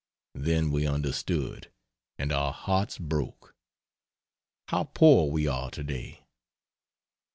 Then we understood, and our hearts broke. How poor we are today!